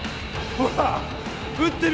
ほら